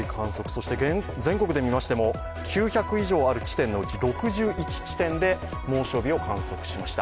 そして全国で見ましても９００以上ある地点でも６１地点で猛暑日を観測しました。